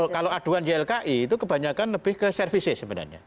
kalau aduan ylki itu kebanyakan lebih ke services sebenarnya